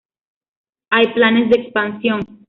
Hay planes de expansión.